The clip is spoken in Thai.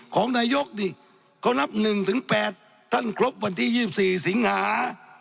ของนายกดิเขานับ๑๘ท่านครบวันที่๒๔สิงหา